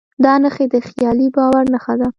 دا نښې د خیالي باور نښه ده.